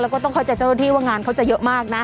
แล้วก็ต้องเข้าใจเจ้าหน้าที่ว่างานเขาจะเยอะมากนะ